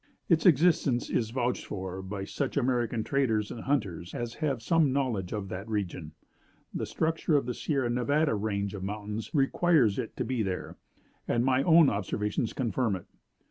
Its existence is vouched for by such of the American traders and hunters as have some knowledge of that region; the structure of the Sierra Nevada range of mountains requires it to be there; and my own observations confirm it.